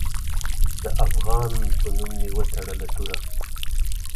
د افغان په نوم مې وتړه توره